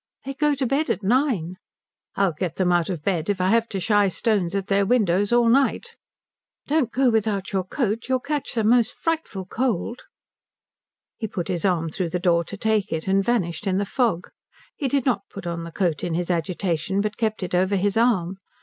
"They go to bed at nine." "I'll get them out of bed if I have to shie stones at their windows all night." "Don't go without your coat you'll catch a most frightful cold." He put his arm through the door to take it, and vanished in the fog. He did not put on the coat in his agitation, but kept it over his arm.